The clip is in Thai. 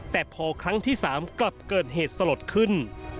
แต่พอครั้งที่๓กลับเกิดเหตุสลดขึ้น